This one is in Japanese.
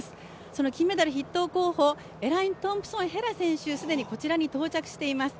その金メダル筆頭候補、エライン・トンプソン・ヘラ選手、既にこちらに到着しています。